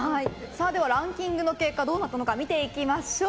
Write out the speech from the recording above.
ランキングの結果どうなったのか見ていきましょう。